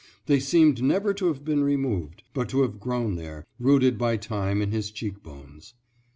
They seemed never to have been removed, but to have grown there, rooted by time in his cheek bones.